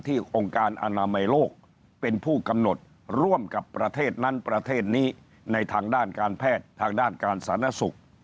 ทุกประเทศนี้ในทางด้านการแพทย์ทางด้านการสรรคสุข